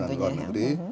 dalam maupun luar negeri